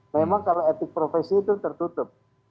memang kalau etik profesi itu tertutup